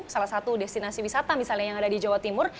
salah satu destinasi wisata misalnya yang ada di jawa timur